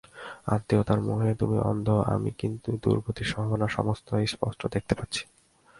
আত্মীয়তার মোহে তুমি অন্ধ, আমি কিন্তু দুর্গতির সম্ভাবনা সমস্তই স্পষ্ট দেখতে পাচ্ছি।